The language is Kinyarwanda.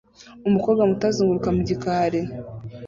Umukobwa muto azunguruka mu gikari